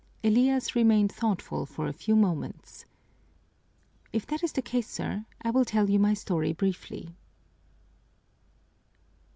Elias remained thoughtful for a few moments. "If that is the case, sir, I will tell you my story briefly."